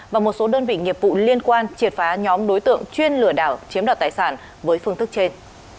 và một số đơn vị nghiệp vụ liên quan triệt phá nhóm đối tượng chuyên lửa đảo chiếm đoạt tài sản với phương thức trên